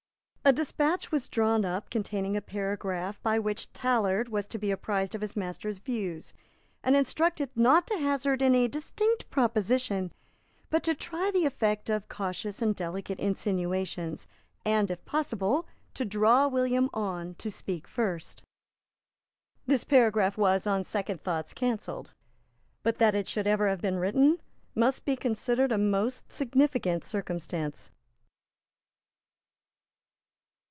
A despatch was drawn up containing a paragraph by which Tallard was to be apprised of his master's views, and instructed not to hazard any distinct proposition, but to try the effect of cautious and delicate insinuations, and, if possible, to draw William on to speak first. This paragraph was, on second thoughts, cancelled; but that it should ever have been written must be considered a most significant circumstance.